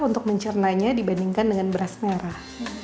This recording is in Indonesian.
untuk mencernanya dibandingkan dengan beras merah